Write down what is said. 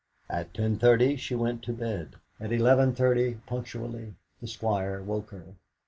At ten thirty she went to bed. At eleven thirty punctually the Squire woke her.